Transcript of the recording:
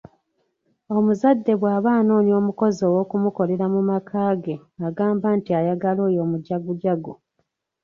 Omuzadde bw'aba anoonya omukozi ow'okumukolera mu maka ge agamba nti ,ayagala oyo omujagujagu.